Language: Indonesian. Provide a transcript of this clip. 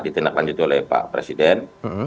ditindak lanjut oleh pak presiden